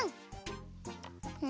うん！